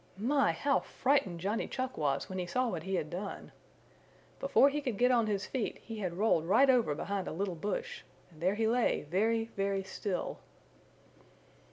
My, how frightened Johnny Chuck was when he saw what he had done! Before he could get on his feet he had rolled right over behind a little bush, and there he lay very, very still.